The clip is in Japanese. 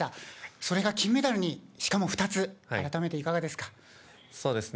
それが金メダルに、しかも２つ、改めていかがですか。